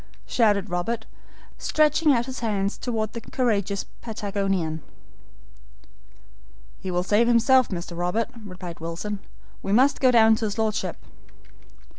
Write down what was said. shouted Robert, stretching out his hands toward the courageous Patagonian. "He will save himself, Mr. Robert," replied Wilson; "we must go down to his Lordship."